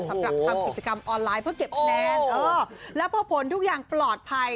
สำหรับทำกิจกรรมออนไลน์เพื่อเก็บคะแนนเออแล้วพอผลทุกอย่างปลอดภัย